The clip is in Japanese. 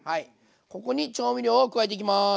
ここに調味料を加えていきます。